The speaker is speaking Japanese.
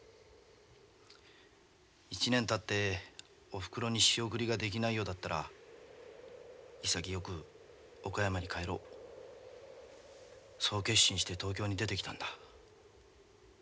１年たっておふくろに仕送りができないようだったら潔く岡山に帰ろうそう決心して東京に出てきたんだ。